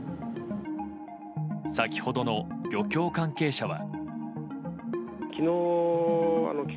先ほどの漁協関係者は。